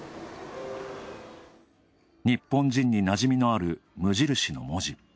日本人になじみのある「無印」の文字。